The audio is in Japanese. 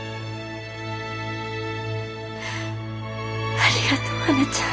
ありがとうはなちゃん。